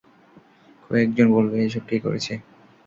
কেউ একজন বলবে এসব কে করেছে?